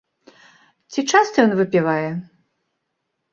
Ці часта ён выпівае?